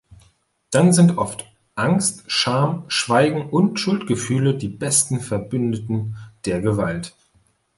Dann sind oft Angst, Scham, Schweigen und Schuldgefühle die besten Verbündeten der Gewalt.